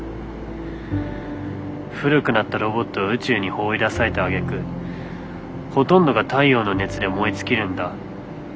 古くなったロボットは宇宙に放り出されたあげくほとんどが太陽の熱で燃え尽きるんだ。